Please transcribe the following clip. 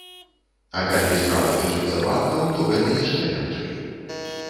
А калі справа тычыцца банкаў, то гэта яшчэ лягчэй.